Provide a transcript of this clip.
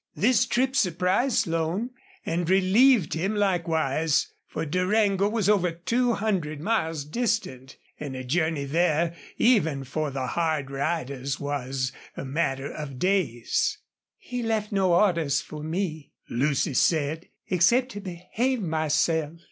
This trip surprised Slone and relieved him likewise, for Durango was over two hundred miles distant, and a journey there even for the hard riders was a matter of days. "He left no orders for me," Lucy said, "except to behave myself....